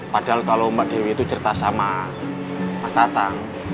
padahal kalau mbak dewi itu certas sama mas tatang